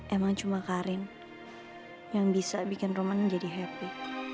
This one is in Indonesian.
emang cuma karin yang bisa bikin roman menjadi happy